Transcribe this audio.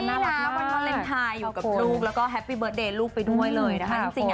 โอ้ยแฮปปี้นะวันวาเลนไทยอยู่กับลูกแล้วก็แฮปปี้เบิร์สเดย์ลูกไปด้วยเลยนะคะ